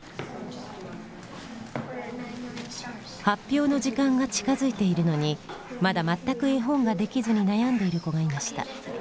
発表の時間が近づいているのにまだ全く絵本が出来ずに悩んでいる子がいました。